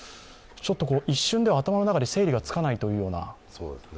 ちょっと一瞬では頭の中で整理がつかないというような。